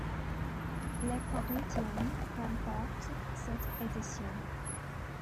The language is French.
Les Corinthians remportent cette édition.